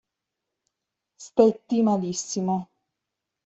Stetti malissimo.